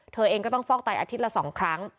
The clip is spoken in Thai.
เธอเองก็ต้องฟอกไตอาทิตย์ละ๒ครั้ง